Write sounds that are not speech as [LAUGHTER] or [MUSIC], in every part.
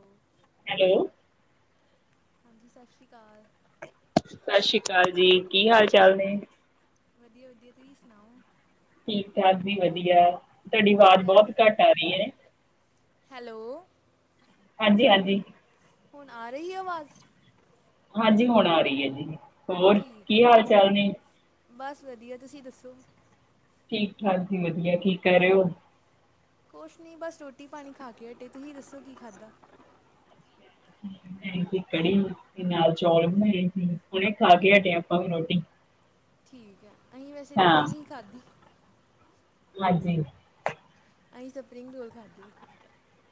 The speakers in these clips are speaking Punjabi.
ਹੂ। ਹੈਲੋ, ਜੀ ਸਤਿ ਸ਼੍ਰੀ ਅਕਾਲ। ਸਤਿ ਸ਼੍ਰੀ ਅਕਾਲ ਜੀ। ਕੀ ਹਾਲ- ਚਾਲ ਨੇ। ਵਧੀਆ- ਵਧੀਆ ਤੁਸੀਂ ਸੁਣਾਓ? ਠੀਕ- ਠਾਕ ਵੀ ਵਧੀਆ। ਤੁਹਾਡੀ ਕੀ ਆਵਾਜ਼ ਕਰ ਬਹੁਤ ਘੱਟ ਆ ਰਹੀ ਹੈ। ਹੈਲੋ, ਹਾਂਜੀ -ਹਾਂਜੀ। ਹੁਣ ਆ ਰਹੀ ਹੈ ਆਵਾਜ਼। ਹਾਂਜੀ, ਹੁਣ ਆ ਰਹੀ ਹੈ ਜੀ, ਹੋਰ ਠੀਕ ਕੀ ਹੈ ਹਾਲ- ਚਾਲ ਨੇ। ਬਸ ਵਧੀਆ। ਤੁਸੀਂ ਦੱਸੋ? ਠੀਕ- ਠਾਕ ਜੀ ਵਧੀਆ। ਕੀ ਕਰਹਿ ਰਹੇ ਹੋ? ਕੁਛ ਨਹੀਂ ਬਸ ਰੋਟੀ- ਪਾਣੀ ਖਾ ਕੇ ਅਟੇ। ਤੁਸੀਂ ਦੱਸੋ ਕੀ ਖਾਧਾ? ਕੜੀ ਤੇ ਨਾਲ ਚੌਲ ਬਣਾਏ ਸੀ ਹੋਣੇ ਖਾ ਕੇ ਹਟੇ ਆਪਾਂ ਵੀ ਰੋਟੀ। ਠੀਕ ਹੈ। ਅਸੀਂ ਵੈਸੇ ਹਾਂ, ਰੋਟੀ ਨਹੀਂ ਖਾਧੀ। ਹਾਂਜੀ। ਅਸੀਂ ਸਪਰਿੰਗ ਰੋਲ ਖਾਧੇ।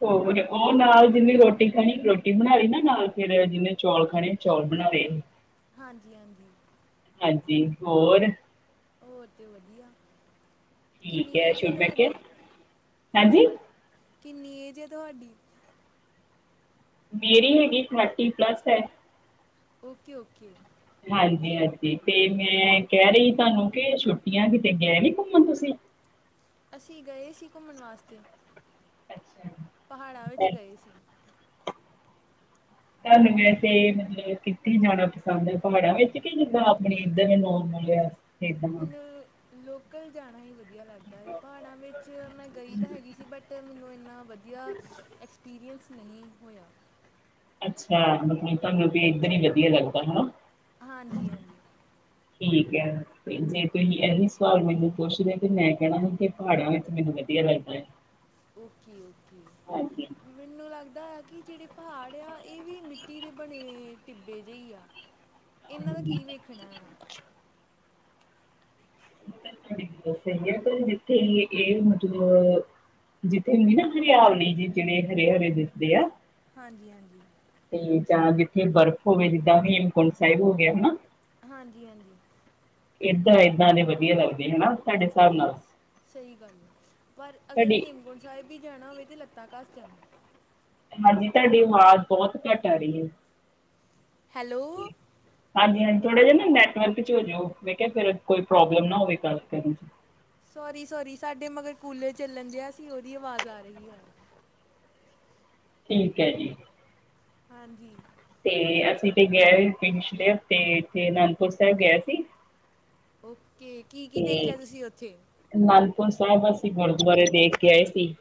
ਹੋਰ ਉਹ ਨਾਲ ਜਿੰਨੀ ਰੋਟੀ ਖਾਣੀ ਰੋਟੀ ਬਣਾ ਲੀ। ਨਾਲ, ਫ਼ਿਰ ਜਿਨੇ ਚੌਲ ਖਾਣੇ ਚੌਲ ਬਣਾ ਲੇ। ਹਾਂਜੀ- ਹਾਂਜੀ। ਹਾਂਜੀ। ਹੋਰ। ਹੋਰ ਤੇ ਵਧੀਆ। ਕਿੰਨੀ ਠੀਕ ਹੈ। ਏਜ ਸ਼ੁਰ ਮੈ ਕੇ ਤੁਹਾਡੀ -ਹਾਂਜੀ। ਕਿੰਨੀ ਏਜ ਹੈ ਤੁਹਾਡੀ? ਮੇਰੀ ਹੈਗੀ ਥਰਟੀ ਪਲੱਸ ਐ। ਓਕੇ-ਓਕੇ। ਹਾਂਜੀ-ਹਾਂਜੀ ਤੇ ਮੈਂ ਕਹਿ ਰਹੀ ਤੁਹਾਨੂੰ ਕਿ ਛੁੱਟੀਆਂ ਕਿਤੇ ਗਏ ਨੀ ਘੁੰਮਣ ਤੁਸੀਂ। ਅਸੀਂ ਗਏ ਸੀ ਘੁੰਮਣ ਵਾਸਤੇ। ਅੱਛਾ। ਪਹਾੜਾਂ ਵਿੱਚ ਤੇ ਗਏ ਸੀ। ਤੁਹਾਨੂੰ ਵੈਸੇ ਮਤਲਬ ਕਿੱਥੇ ਜਾਣਾ ਪਸੰਦ ਐ? ਪਹਾੜਾਂ ਵਿੱਚ ਕਿ ਜਿੱਦਾਂ ਆਪਣੇ ਇੱਧਰ ਨੋਰਮਲ ਆ। ਇਦਾਂ ਮੈਨੂੰ ਲੋਕਲ ਜਾਣਾ ਹੀ ਵਧੀਆ ਲੱਗਦਾ ਐ, ਪਹਾੜਾਂ ਵਿੱਚ ਮੈਂ ਗਈ ਤਾਂ ਹੈਗੀ ਸੀ ਬਟ ਮੈਨੂੰ ਇੰਨਾ ਵਧੀਆ ਵਧੀਆ ਐਕਸਪੀਰੀਅੰਸ ਨਹੀਂ ਹੋਇਆ। ਅੱਛਾ ਮਤਲਬ ਤੁਹਾਨੂੰ ਵੀ ਇਦਾਂ ਹੀ ਵਧੀਆ ਲੱਗਦਾ ਹੈਨਾ। ਹਾਂਜੀ-ਹਾਂਜੀ। ਠੀਕ ਐ ਤੇ ਜੇ ਤੁਸੀਂ ਇਹੀ ਸਵਾਲ ਮੈਨੂੰ ਪੁੱਛਦੇ ਕਿ ਮੈਂ ਕਹਿਣਾ ਸੀ ਕਿ ਪਹਾੜਾਂ ਵਿਚ ਮੈਨੂੰ ਵਧੀਆ ਲੱਗਦਾ ਐ। ਓਕੇ-ਓਕੇ। ਮੈਨੂੰ ਲੱਗਦਾ ਆ ਕਿ ਜਿਹੜੇ ਪਹਾੜ ਆ ਇਹ ਵੀ ਮਿੱਟੀ ਦੇ ਬਣੇ ਟਿੱਬੇ ਜਿਹੇ ਹੀ ਆ। [INAUDIBLE] ਇਹਨਾਂ ਦਾ ਕੀ ਵੇਖਣਾ ਆ। ਸਹੀ ਐ ਪਰ ਜਿੱਥੇ ਇਹ ਗਏ ਮਤਲਬ ਜਿੱਥੇ ਹੁੰਦੀ ਨਾ ਹਰਿਆਵਣੀ ਜੀ, ਜਿਣੇ ਹਰੇ-ਹਰੇ ਦਿਸਦੇ ਆ। ਹਾਂਜੀ-ਹਾਂਜੀ। ਤੇ ਜਾਂ ਜਿੱਥੇ ਬਰਫ਼ ਹੋਵੇ, ਜਿੱਦਾਂ ਹੇਮਕੁੰਟ ਸਾਹਿਬ ਹੋ ਗਿਆ ਹਨਾ। ਹਾਂਜੀ-ਹਾਂਜੀ। ਏਦਾਂ-ਏਦਾਂ ਦੇ ਵਧੀਆ ਲੱਗਦੇ ਹੈਨਾ, ਤੁਹਾਡੇ ਹਿਸਾਬ ਨਾਲ ਸਹੀ ਗੱਲ ਆ ਪਰ ਅਗਰ ਤੁਹਾਡੀ ਹੇਮਕੁੰਟ ਸਾਹਿਬ ਵੀ ਜਾਣਾ ਹੋਵੇ ਤਾਂ ਲੱਤਾਂ ਕਸ ਜਾਣਾ। ਹਾਂਜੀ, ਤੁਹਾਡੀ ਆਵਾਜ਼ ਬਹੁਤ ਘੱਟ ਆ ਰਹੀ ਐ। ਹੈਲੋ। ਹਾਂਜੀ-ਹਾਂਜੀ, ਥੋੜਾ ਜਿਹਾ ਨਾ ਨੈਟਵਰਕ ਚ ਹੋ ਜਾਓ। ਮੈਂ ਕਿਹਾ ਫ਼ੇਰ ਕੋਈ ਪ੍ਰੋਬਲਮ ਨਾ ਹੋਵੇ ਗੱਲ ਕਰਨ ਚ। ਸੋਰੀ-ਸੋਰੀ ਸਾਡੇ ਮਗਰ ਕੂਲਰ ਚੱਲਣ ਦਿਆਂ ਸੀ ਉਹਦੀ ਆਵਾਜ਼ ਆ ਰਹੀ ਹੈ। ਠੀਕ ਐ ਜੀ। ਹਾਂਜੀ। ਤੇ ਅਸੀਂ ਤੇ ਗਏ ਹੋਏ ਸੀ, ਪਿਛਲੇ ਹਫ਼ਤੇ ਇਥੇ ਅਨੰਦਪੁਰ ਸਾਹਿਬ ਗਿਆਏ ਸੀ। ਓਕੇ, ਕੀ-ਕੀ ਤੇ ਦੇਖਿਆ ਤੁਸੀਂ ਉੱਥੇ? ਅਨੰਦਪੁਰ ਸਾਹਿਬ ਅਸੀਂ ਗੁਰਦੁਆਰੇ ਦੇਖ ਕੇ ਆਏ ਸੀ।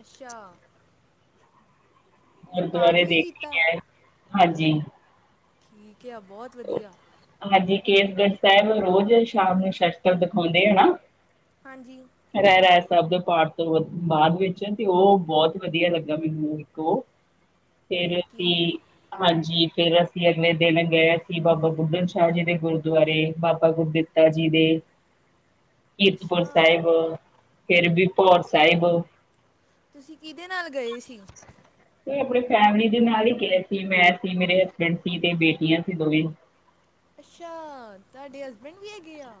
ਅੱਛਾ। ਪਾਠ ਗੁਰਦੁਆਰੇ ਵੀ ਦੇਖੇ ਕੀਤਾ ਐ, ਹਾਂਜੀ। ਠੀਕ ਆ, ਬਹੁਤ ਵਧੀਆ। ਹਾਂਜੀ, ਕੇਸਗੜ੍ਹ ਸਾਹਿਬ ਰੋਜ਼ ਸ਼ਾਮ ਨੂੰ ਸ਼ਸਤਰ ਦਿਖਾਉਂਦੇ ਹਨਾ। ਹਾਂਜੀ। ‌ ਰਹਿਰਾਸ ਸਾਹਿਬ ਦੇ ਪਾਠ ਤੋਂ ਬਾਅਦ ਵਿੱਚ ਤੇ ਉਹ ਬਹੁਤ ਵਧੀਆ ਲੱਗਾ ਮੈਨੂੰ ਇੱਕ ਉਹ। ਫੇਰ ਓਕੇ ਅਸੀਂ, ਹਾਂਜੀ ਫੇਰ ਅਸੀਂ ਅਗਲੇ ਦਿਨ ਗਏ। ਬਾਬਾ ਬੁੱਢਨ ਸ਼ਾਹ ਜੀ ਦੇ, ਗੁਰਦੁਆਰੇ ਬਾਬਾ ਗੁਰਦਿੱਤਾ ਜੀ ਦੇ ਕੀਰਤਪੁਰ ਅੱਛਾ ਸਾਹਿਬ ਫਿਰ ਵੀਪੌਰ ਸਾਹਿਬ। ਤੁਸੀਂ ਕਿਹਦੇ ਨਾਲ ਗਏ ਸੀ? [INAUDIBLE] ਆਪਣੇ ਫੈਮਿਲੀ ਦੇ ਨਾਲ ਹੀ ਗਏ ਸੀ, ਮੈਂ ਸੀ ਮੇਰੇ ਹਸਬੈਂਡ ਸੀ, ਤੇ ਬੇਟੀਆਂ ਸੀ ਦੋਵੇਂ। ਅੱਛਾ, ਤਾਡੇ ਹਸਬੈਂਡ ਵੀ ਹੈਗੇ ਆ।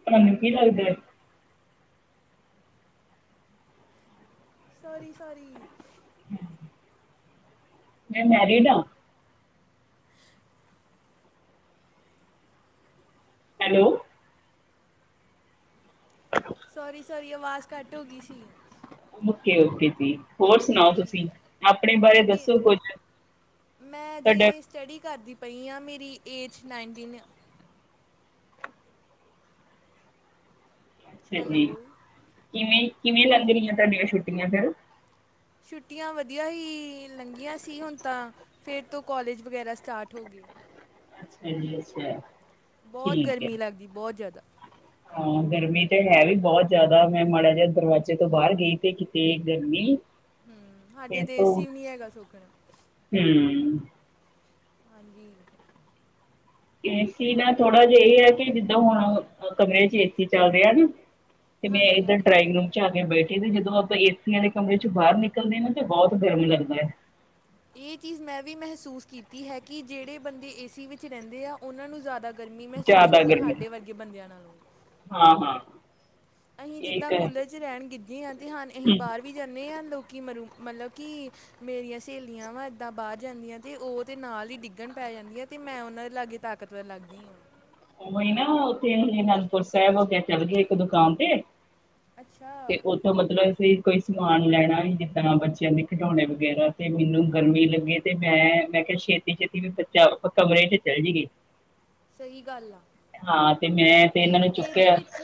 ਤੁਹਾਨੂੰ ਕੀ ਲੱਗਦਾ? ਸੋਰੀ-ਸੋਰੀ। [INAUDIBLE] ਮੈਂ ਮੈਰੀਡ ਹਾ। ਹੈਲੋ। ਸੋਰੀ ਸੋਰੀ ਆਵਾਜ਼ ਘੱਟ ਹੋ ਗਈ ਸੀ। ਓਕੇ ਓਕੇ ਜੀ। ਹੋਰ ਸੁਣਾਓ ਤੁਸੀਂ ਠੀਕ ਆ ਆਪਣੇ ਬਾਰੇ ਤੁਹਾਡੀ ਦੱਸੋ ਕੁੱਝ ਤੁਹਾਡਾ ਸਟਡੀ ਕਰਦੀ ਪਈ ਹਾਂ ਮੇਰੀ ਏਜ ਨਾਈਨਟੀਨ ਅਛਾ ਜੀ ਹੈਲੋ ਕਿਵੇਂ ਕਿਵੇਂ ਲੱਗ ਰਹੀਆਂ ਤੁਹਾਡੀਆਂ ਛੁੱਟੀਆਂ ਫੇਿਰ ਛੁੱਟੀਆਂ ਵਧੀਆ ਹੀ ਲੰਘੀਆਂ ਸੀ ਹੁਣ ਤਾ ਫਿਰ ਤੋਂ ਕੋਲਜ ਵਗੈਰਾ ਸਟਾਰਟ ਹੋ ਗਈ। ਅੱਛਾ ਜੀ ਅੱਛਾ। ਬਹੁਤ ਗਰਮੀ ਲੱਗਦੀ ਬਹੁਤ ਜ਼ਿਆਦਾ ਹਾਂ ਹਾਂ ਗਰਮੀ ਤੇ ਹੈ ਵੀ ਬਹੁਤ ਜ਼ਿਆਦਾ ਮੈਂ ਮਾੜਾ ਜਿਹਾ ਦਰਵਾਜ਼ੇ ਤੋਂ ਬਾਹਰ ਗਈ ਤੇ ਕਿਤੇ ਗਰਮੀ ਹਮ ਸਾਡੇ ਤੇ ਏਸੀ ਵੀ ਨੀ ਹੈਗਾ ਸੁਖ ਨਾਲ ਹਮ ਹਾਂਜੀ। ਏ ਸੀ ਨਾ ਥੋੜਾ ਜਿਹਾ ਇਹ ਹੈ ਕਿ ਜਿੱਦਾਂ ਹੁਣ ਕਮਰੇ ਚ ਏਸੀ ਚੱਲ ਰਿਹਾ ਨਾ ਤੇਵੇਂ ਹਾਂਜੀ ਇੱਧਰ ਹਾਂਜੀ ਡਰਾਇੰਗ ਨੂੰ ਆ ਕੇ ਬੈਠੇ ਤੇ ਜਦੋਂ ਆਪਾਂ ਏਸੀ ਵਾਲੇ ਕਮਰੇ ਚ ਬਾਹਰ ਨਿਕਲਦੇ ਨਾ ਤੇ ਬਹੁਤ ਗਰਮ ਲੱਗਦੀ ਹੈ। ਇਹ ਚੀਜ਼ ਮੈਂ ਵੀ ਮਹਿਸੂਸ ਕੀਤੀ ਹੈ ਕਿ ਜਿਹੜੇ ਬੰਦੇ ਏ ਸੀ ਵਿੱਚ ਰਹਿੰਦੇ ਆ ਉਹਨਾਂ ਨੂੰ ਜ਼ਿਆਦਾ ਗਰਮੀ ਮਹਿਸੂਸ ਜ਼ਿਆਦਾ ਹੁੰਦੀ ਗਰਮੀ ਸਾਡੇ ਵਰਗੇ ਬੰਦਿਆਂ ਨਾਲੋਂ ਹਾਂ ਹਾਂ। ਅਸੀਂ ਇਹ ਜਿੱਦਾਂ ਤਾਂ ਹੈ ਕੂਲਰ 'ਚ ਰਹਿਣ ਗਿੱਜੇ ਹਾਂ ਅਤੇ ਹਾਂ ਅਸੀਂ ਹੂੰ। ਬਾਹਰ ਵੀ ਜਾਂਦੇ ਹਾਂ ਲੋਕ ਮਰੂ ਮਤਲਬ ਕਿ ਮੇਰੀਆਂ ਸਹੇਲੀਆਂ ਵਾ ਇੱਦਾਂ ਬਾਹਰ ਜਾਂਦੀਆਂ ਤੇ ਉਹ ਤੇ ਨਾਲ ਹੀ ਡਿੱਗਣ ਪੈ ਜਾਂਦੀਆਂ ਤੇ ਮੈਂ ਉਹਨਾਂ ਦੇ ਲਾਗੇ ਤਾਕਤਵਰ ਲੱਗਦੀ ਆ ਹੀ ਨਾ ਉੱਥੇ ਅਨੰਦਪੁਰ ਸਾਹਿਬ ਹੋ ਗਿਆ ਚੱਲ ਗਏ ਇੱਕ ਦੁਕਾਨ ਤੇ ਅੱਛਾ। ਥੋ ਮਤਲਬ ਅਸੀ ਕੋਈ ਸਮਾਨ ਲੈਣਾ ਹੀ, ਜਿੱਦਾਂ ਬੱਚਿਆਂ ਦੇ ਖਿਡੌਣੇ ਵਗੈਰਾ ਤੇ ਮੈਨੂੰ ਗਰਮੀ ਲੱਗੇ। ਤੇ ਮੈਂ ਮੈਂ ਕਿਹਾ ਛੇਤੀ ਛੇਤੀ ਵੀ ਬੱਚਾ ਪੱਕਾ ਹੋਏ ਤੇ ਚੱਲ ਜੀਏ। ਸਹੀ ਗੱਲ ਆ। ਹਾਂ ਤੇ ਮੈਂ ਤੇ ਇਹ ਇਹਨਾਂ ਨੂੰ ਇਹਦੇ ਚੁੱਕਿਆ ਵਿੱਚ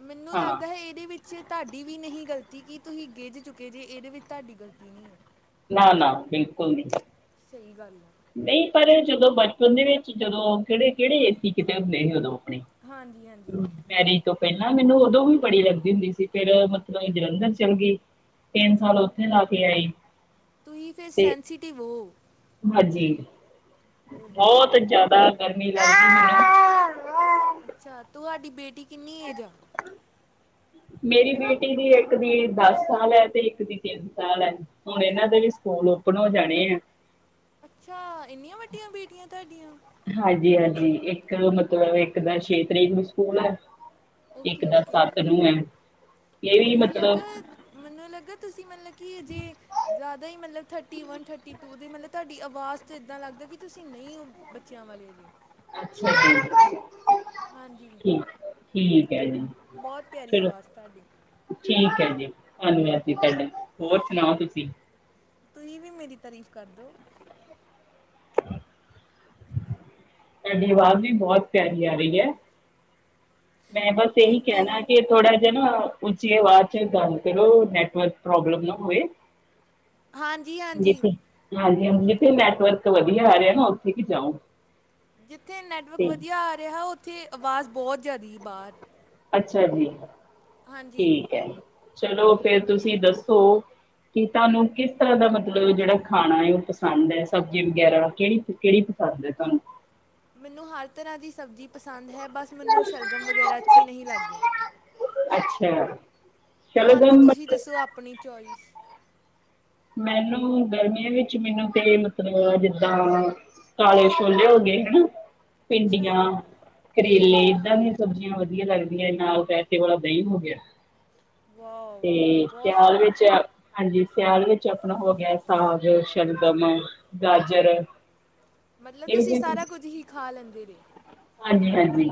ਮੈਨੂੰ ਹਾਂ ਲੱਗਦਾ ਹੈ ਇਹਦੇ ਵਿੱਚ ਏਦੇ ਚ ਤੁਹਾਡੀ ਵੀ ਨਹੀਂ ਗ਼ਲਤੀ ਕਿ ਤੁਸੀਂ ਗਿੱਝ ਚੁੱਕੇ ਜੇ ਇਹਦੇ ਵਿੱਚ ਤੁਹਾਡੀ ਗ਼ਲਤੀ ਨਹੀਂ ਹੈ। ਨਾ ਨਾ ਬਿਲਕੁਲ ਨਹੀ। ਸਹੀ ਗੱਲ ਐ। ਨਹੀਂ ਪਰ ਜਦੋਂ ਬਚਪਨ ਦੇ ਵਿੱਚ ਜਦੋਂ ਕਿਹੜੇ ਕਿਹੜੇ ਏ ਸੀ ਕਿਤੇ ਹੁੰਦੇ ਸੀ ਉਦੋਂ ਆਪਣੇ ਹਾਂਜੀ ਹਾਂਜੀ। ਮੈਰਿਜ ਤੋਂ ਪਹਿਲਾਂ ਵੀ ਮੈਨੂੰ ਉਦੋਂ ਵੀ ਬੜੀ ਲੱਗਦੀ ਹੁੰਦੀ ਸੀ ਫਿਰ ਮਤਲਬ ਜਦੋਂ ਅਸੀਂ ਜਲੰਧਰ ਚਲੀ ਗਈ। ਤਿੰਨ ਸਾਲ ਉੱਥੇ ਲਾ ਕੇ ਆਏ ਤੁੂਸੀਤੇ ਫਿਰ ਸੈਨਸੀਟਿਵ ਹੋ। ਹਾਂਜੀ ਓ ਵਾਓ ਬਹੁਤ ਜਿਆਦਾ ਗਰਮੀ ਲਗਦੀ। ਅੱਛਾ‌‌‌‌, ‌‌‌ਤੂਹਾਡੀ ਬੇਟੀ ਕਿੰਨੀ ਏਜ ਆ। ਮੇਰੀ ਬੇਟੀ ਦੀ ਇੱਕ ਦੀ ਦਸ ਸਾਲ ਹੈ ਤੇ ਇੱਕ ਦੀ ਤਿੰਨ ਸਾਲ ਹੈ। ਹੁਣ ਇਹਨਾਂ ਦੇ ਵੀ ਸਕੂਲ ਓਪਨ ਹੋ ਜਾਣੇ ਆ। ਅੱਛਾ ਏਨੀਆਂ ਵੱਡੀਆਂ ਬੇਟੀਆਂ ਤੁਹਾਡੀਆਂ। ਹਾਂਜੀ ਹਾਂਜੀ, ਇੱਕ ਮਤਲਬ ਇੱਕ ਦਾ ਛੇ ਤਰੀਕ ਨੂੰ ਸਕੂਲ ਹੈ। ਇੱਕ ਓਕੇ ਦਸ ਓਕੇ ਸੱਤ ਨੂੰ ਹੈ ਇਹ ਵੀ ਮੈਨੂੰ ਮਤਲਬ ਲੱਗਾ ਮੈਨੂੰ ਲੱਗਾ ਤੁਸੀਂ ਮਤਲਬ ਕਿ ਅਜੇ ਜ਼ਿਆਦਾ ਹੀ ਮਤਲਬ ਥਰਟੀ ਵਨ ਥਰਟੀ ਟੂ ਦੇ ਮਤਲਬ ਤੁਹਾਡੀ ਆਵਾਜ਼ ਤੌ ਇੱਦਾਂ ਲੱਗਦਾ ਕਿ ਤੁਸੀਂ ਨਹੀਂ ਹੋ। ਬੱਚਿਆਂ ਵਾਲੈ ਜੇ। ਅੱਛਾ ਜੀ‌‌। ਹਾਂਜੀ ਠੀਕ ਠੀਕ ਹੈ ਜੀ ਬਹੁਤ ਪਿਆਰੀ ਚਲੋ। ਆਵਾਜ਼ ਤੁਹਾਡੀ ਠੀਕ ਹੈ ਜੀ ਹਾਂਜੀ ਹਾਂਜੀ ਹੋਰ ਸੁਣਾਓ ਤੁਸੀਂ। ਤੁਹੀ ਵੀ ਮੇਰੀ ਤਾਰੀਫ਼ ਕਰ ਦੋ। ਤੁਹਾਡੀ ਆਵਾਜ਼ ਵੀ ਬਹੁਤ ਪਿਆਰੀ ਆ ਰਹੀ ਹੈ ਮੈਂ ਬਸ ਇਹੀ ਥੈਂਕ ਕਹਿਣਾ ਯੂ ਕਿ ਥੋੜਾ ਜਿਹਾ ਨਾ ਉਚੀ ਅਵਾਜ ਚ ਗੱਲ ਕਰੋ ਨੈਟਵਰਕ ਪ੍ਰੋਬਲਮ ਨਾ ਹੋਏ। ਹਾਂਜੀ ਹਾਂਜੀ ਹਾਂਜੀ ਹਾਂਜੀ ਜਿੱਥੇ ਨੈਟਵਰਕ ਵਧੀਆ ਆ ਰਿਹਾ ਨਾ ਉੱਥੇ ਹੀ ਜਾਓ। ਜਿੱਥੇ ਨੈੱਟਵਰਕ ਠੀਕ, ਵਧੀਆ ਆ ਰਿਹਾ ਉੱਥੇ ਆਵਾਜ਼ ਬਹੁਤ ਜਾਂਦਿਏ ਬਹਾਰ। ਅੱਛਾ ਜੀ ਹਾਂਜੀ ਠੀਕ ਹੈ ਚਲੋ ਫੇਰ ਤੁਸੀਂ ਦੱਸੋ। ਕਿ ਤੁਹਾਨੂੰ ਕਿਸ ਤਰ੍ਹਾਂ ਦਾ ਮਤਲਬ ਖਾਣਾ ਪਸੰਦ ਹੈ ਜਿਵੇਂ ਕਿ ਸਬਜ਼ੀ ਵਗੈਰਾ ਕਿਹੜੀ ਕਿਹੜੀ? ਅੱਜ ਦੇ ਕਮ। ਮੈਨੂੰ ਹਰ ਤਰ੍ਹਾਂ ਦੀ ਸਬਜ਼ੀ ਪਸੰਦ ਹੈ ਬਸ ਮੈਨੂੰ ਸ਼ਲਗਮ ਵਗੈਰਾ ਅੱਛੀ ਨਹੀਂ ਲੱਗਦੀ। ਅੱਛਾ। ਤੁਹਾਨੂੰ ਸ਼ਲਗਮ ਤੁਸੀਂ ਮਤਲਬ ਦੱਸੋ ਅਪਣੀ ਚੋਵਾਏਸ। ਮੈਨੂੰ ਗਰਮੀਆਂ ਵਿੱਚ ਮੈਨੂੰ ਤੇ ਮਤਲਬ ਜਿੱਦਾਂ ਕਾਲੇ ਛੋਲੇੇ ਹੋ ਗਏ ਹਨਾ। ਭਿੰਡੀਆਂ ਅੱਛਾ ਕਰੇਲੇ ਅੱਛਾ ਐਵੇ ਦੀ ਸਬਜ਼ੀਆਂ ਵਧੀਆ ਲੱਗਦੀਆਂ। ਨਾਲ ਤਾਂ ਰਾਏਤੇ ਵਾਲਾ ਦਹੀਂ ਹੋ ਗਿਆ ਵਾਹ ਵਾਹ ਤੇ ਬਹੁਤ ਸਿਆਲ ਸੋਹਣਾ ਵਿੱਚ ਹਾਂਜੀ ਸਿਆਲ ਵਿੱਚ ਆਪਣਾ ਹੋ ਗਿਆ ਸਾਗ ਸ਼ਲਗਮ ਗਾਜਰ। ਮਤਲਬ ਇਹੋ ਤੁਸੀਂ ਜਿਹੀਆਂ ਸਾਰਾ ਚੀਜ਼ਾਂ ਕੁੱਝ ਹੀ ਖਾ ਲੈਂਦੇ ਵੇ। ਹਾਂਜੀ ਹਾਂਜੀ।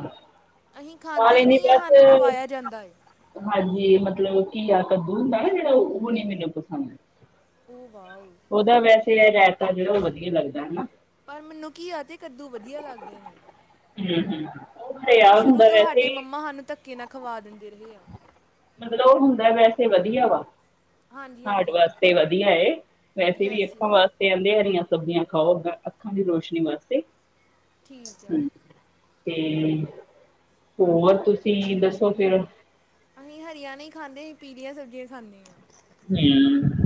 ਅਸੀਂ ਖਾਂਦੇ ਕਾਲੇ ਨੀ ਨਹੀਂ ਹਾਂ ਬਸ ਸਾਨੂੰ ਖਵਾਇਆ ਜਾਂਦਾ ਏ। ਹਾਂਜੀ ਮਤਲਬ ਘੀਆ ਕੱਦੂ ਸਾਰਾ ਜਿਹੜਾ ਉਹ ਨੀ ਮੈਨੂੰ ਪਸੰਦ। ਓ ਵਾਓ। ਉਹਦਾ ਵੈਸੇ ਰਾਇਤਾ ਜਿਹੜਾ ਵਧੀਆ ਲੱਗਦਾ ਹੈਨਾ। ਪਰ ਮੈਨੂੰ ਕੀ ਆ ਤੇ ਕੱਦੂ ਵਧੀਆ ਲੱਗਦੇ ਨੇ। ਹਮ ਹਮ। ਉਹ ਸ਼ੁਰੂ ਤੋਂ ਸਾਡੇ ਮੰਮਾ ਸਾਨੂੰ ਧੱਕੇ ਨਾਲ ਖਵਾ ਦਿੰਦੇ ਰਹੇ ਆ। ਮਤਲਬ ਉਹ ਹੁੰਦਾ ਵੈਸੇ ਵਧੀਆ ਵਾ। ਹਾਂਜੀ ਹਾਰਟ ਹਾਂਜੀ ਵਾਸਤੇ ਵਧੀਆ ਏ ਵੈਸੇ ਵੀ ਯੈਸ ਅਖਾਂ ਯੈਸ ਵਾਸਤੇ। ਤੇ ਕਹਿੰਦੇ ਹਰੀਆਂ ਸਬਜ਼ੀਆਂ ਖਾਓ ਅ ਅੱਖਾਂ ਦੀ ਰੋਸ਼ਨੀ ਵਾਸਤੇ। ਠੀਕ ਆ ਹ ਤੇ ਹੋਰ ਤੁਸੀਂ ਦੱਸੋ ਫਿਰ। ਅਸੀਂ ਹਰਿਆਂ ਨਹੀ ਖਾਂਦੇ ਪੀਲੀਆਂ ਸਬਜ਼ੀਆਂ ਖਾਂਦੇ ਹਾਂ। ਹਮ।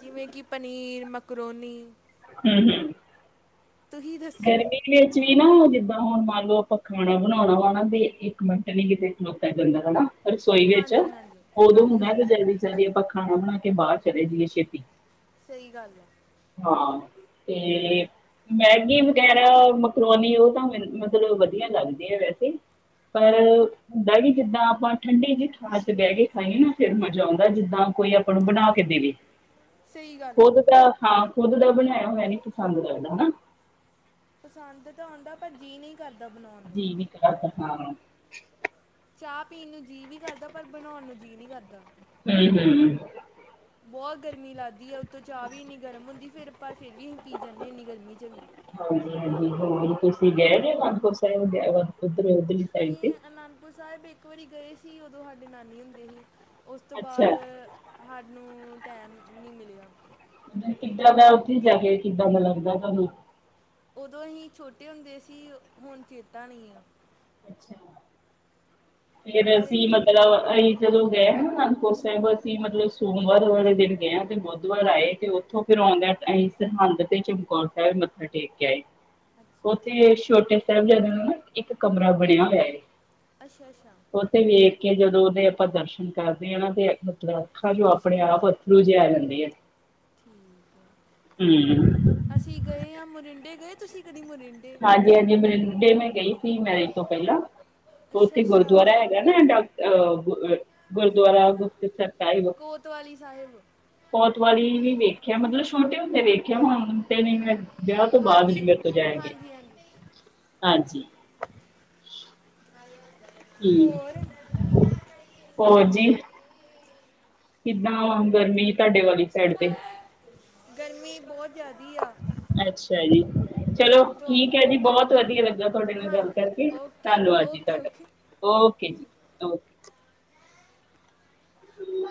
ਜਿਵੇਂ ਕੀ ਪਨੀਰ ਮਕਰੋਨੀ। ਹਮ ਹਮ। ਤੁਹੀ। ਗਰਮੀ ਵਿੱਚ ਵੀ ਨਾ ਜਿੱਦਾਂ ਹੁਣ ਮੰਨ ਲਓ ਆਪਾਂ ਖਾਣਾ ਬਣਾਉਣਾ ਵਾਨਾਂ ਵੇ। ਮਿੰਟ ਨੀ ਇੱਥੇ ਖਲੋਤਾ ਜਾਂਦਾ ਹਨਾ ਰਸੋਈ ਵਿੱਚ ਹਾਂਜੀ ਹਾਂਜੀ ਉਦੋਂ ਹਾਂਜੀ ਹੁੰਦਾ ਕਿ ਹਾਂਜੀ ਜਲਦੀ ਜਲਦੀ ਆਪਾ ਖਾਣਾ ਬਣਾ ਕੇ ਬਾਹਰ ਚਲੇ ਜਾਈਏ ਛੇਤੀ। ਸਹੀ ਗੱਲ ਆ। ਹਾਂ ਤੇ ਮੈਂ ਮੈਗੀ ਵਗੈਰਾ ਮਕਰੋਉਣੀ ਉਹ ਤਾਂ ਮਤਲਬ ਵਧੀਆ ਲੱਗਦੀ ਹੈ ਵੈਸੇ। ਪਰਅ ਹਾਂਜੀ ਹੁੰਦਾ ਵੀ ਜਿੱਦਾਂ ਆਪਾਂ ਠੰਡੀ ਜਹੀ ਥਾਂ ਤੇ ਬਹਿ ਕੇ ਖਾਈਏ ਨਾ ਫੇਰ ਮਜ਼ਾ ਆਉਂਦਾ ਜਿੱਦਾਂ ਕੋਈ ਆਪਾਂ ਨੂੰ ਬਣਾ ਕੇ ਦੇਵੇ। ਸਹੀ ਗੱਲ ਆ ਖੁਦ ਦਾ ਹਾਂ ਖੁਦ ਦਾ ਬਣਾਇਆ ਹੋਇਆ ਨੀਂ ਪਸੰਦ ਲੱਗਦਾ ਨਾ। ਪਸੰਦ ਤਾਂ ਆਉਂਦਾ ਹੈ ਪਰ ਜੀਅ ਨੀ ਕਰਦਾ ਬਣਾਉਣ ਨੂੰ। ਹਮ। ਚਾਹ ਪੀਣ ਨੂੰ ਜੀਅ ਵੀ ਕਰਦਾ ਪਰ ਬਣਾਉਣ ਨੂੰ ਜੀਅ ਨੀ ਕਰਦਾ। ਹਮ ਹਮ। ਬਹੁਤ ਗਰਮੀ ਲੱਗਦੀ ਹੈ ਉੱਤੋਂ ਚਾਹ ਵੀ ਇੰਨੀ ਗਰਮ ਹੁੰਦੀ ਹੈ ਫੇਰ ਆਪਾ ਫੇਰ ਵੀ ਅਸੀਂ ਪੀ ਜਾਂਦੇ ਗਰਮੀ ਚ ਵੀ। [UNINTELLIGIBLE] ਹ ਉਹ ਤੁਸ਼ੀ ਗਏ ਆਂ ਅਨਦਪੁਰ ਸਾਹਿਬ ਵਗੈਰਾ ਅਸੀਂ ਅਨੰਦਪੁਰ ਸਾਹਿਬ ਇੱਕ ਵਾਰੀ ਗਏ ਸੀ ਉਦੋਂ ਸਾਡੇ ਨਾਨੀ ਹੁੰਦੇ ਸੀ। ਉਸ ਤੋਂ ਅੱਛਾ ਬਾਅਦ ਸਾਨੂੰ ਟਾਈਮ ਨਹੀਂ ਮਿਲਿਆ। ਕਿੱਦਾਂ ਦੇ ਉਥੇ ਹੀ ਜਾ ਕੇ ਕਿੱਦਾਂ ਦਾ ਲੱਗਦਾ ਤੁਹਾਨੂੰ ਉਦੋਂ ਹੀ ਛੋਟੇ ਹੁੰਦੇ ਸੀ ਹੁਣ ਚੇਤਾ ਨਹੀਂ ਆ। ਫਿਰ ਪਰ ਅਸੀਂ ਇੰਨ- ਮਤਲਬ ਹਾਂਹੀ। ਜਦੋਂ ਗਏ ਹੈਨਾ ਅਨੰਦਪੁਰ ਸਾਹਿਬ ਅਸੀਂ ਮਤਲਬ ਸੋਮਵਾਰ ਵਾਲੇ ਦਿਨ ਗਏ ਆਂ ਤੇ ਬੁੱਧਵਾਰ ਆਏ ਤੇ ਉਥੋ ਫਿਰ ਆਉਂਦੇ ਹੋਏ ਅਸੀਂ ਸਰਹੰਦ ਤੇ ਚਮਕੌਰ ਸਾਹਿਬ ਮੱਥਾ ਟੇਕ ਕੇ ਆਏ। ਅੱਛਾ ਅੱਛਾ ਉਥੇ ਛੋਟੇ ਸਾਹਿਬਜ਼ਾਦ ਨੂੰ ਨਾ ਇੱਕ ਕਮਰਾ ਬਣਿਆ ਹੋਇਆ ਹੈ। ਅੱਛਾ- ਅੱਛਾ ਉਥੇ ਵੇਖ ਕੇ ਜਦੋਂ ਉਹਦੇ ਆਪਾਂ ਦਰਸ਼ਨ ਕਰਦੇ ਆ ਨਾ ਤੇ ਮਤਲਬ ਅੱਖਾਂ ਜੋ ਆਪਣੇ ਸਕੂਨ ਆਪ ਬੂਝੇ ਆ ਜਾਂਦੀ ਏ ਠੀਕ ਹੈ ਹੂੰ। ਅਸੀਂ ਗਏ ਹਾਂ ਮੋਰਿੰਡੇ ਗਏ ਤੁਸੀਂ ਕਦੀ ਮੋਰਿੰਡੇ ਹਾਂਜੀ- ਹਾਂਜੀ ਬਰੀਡੇ ਮੈਂ ਗਈ ਸੀ ਮੈਂਰੀਜ ਤੋਂ ਪਹਿਲਾਂ ਅੱਛਾ ਉਥੇ ਅੱਛਾ ਗੁਰਦੁਆਰਾ ਹੈ। ਨਾ ਡਾਕ ਗੁਰਦੁਆਰਾ ਗੁਪਤਸਰ ਸਾਹਿਬ। ਕੋਤਵਾਲੀ ਸਾਹਿਬ ਕੋਤਵਾਲੀ ਵੀ ਵੇਖਿਆ ਮਤਲਬ ਛੋਟੇ ਹੁੰਦੇ ਵੇਖਿਆ ਹਨ ਹੁਣ ਤੇ ਨੀ ਮੈਂ ਵਿਆਹ ਤੋਂ ਬਾਅਦ ਵੀ ਹਾਂਜੀ ਮੇਰੇ ਤੋਂ ਜਾਇਆ ਗਿਆ ਹਾਂਜੀ ਹਾਂਜੀ ਹਾਂਜੀ। [UNINTELLIGIBLE] ਠੀਕ। ਹੋਰ ਹੋਰ ਜੀ। ਕਿੱਦਾਂ ਗਰਮੀ ਤੁਹਾਡੇ ਵਾਲੀ ਸਾਈਡ ਤੇ ਗਰਮੀ ਬਹੁਤ ਜੈਦੀ ਆ। ਅੱਛਾ ਜੀ ਚਲੋਂ ਉੱਤੋਂ ਠੀਕ ਐ ਜੀ ਬਹੁਤ ਵਧੀਆ ਲੱਗਾ ਤੁਹਾਡੇ ਨਾਲ ਹਾਂ ਗੱਲ ਕਰਕੇ ਓਕੇ ਧੰਨਵਾਦ ਜੀ ਓਕੇ ਤੁਹਾਡੇ ਓਕੇ ਓਕੇ ਜੀ ਓਕੇ। ਊਂਂ ਮਾਂ